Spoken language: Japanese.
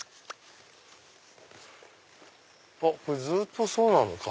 これずっとそうなのか。